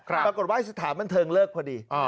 ปรากฏว่าสถานบันเทิงเลิกพอดี